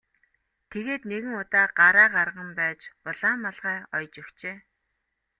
Тэгээд нэгэн удаа гараа гарган байж улаан малгай оёж өгчээ.